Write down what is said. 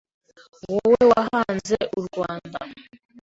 Wowe wahanze u Rwanda